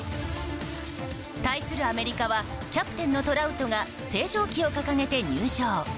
対するアメリカはキャプテンのトラウトが星条旗を掲げて入場。